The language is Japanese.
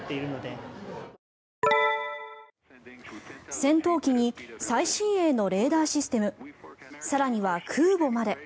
戦闘機に最新鋭のレーダーシステム更には空母まで。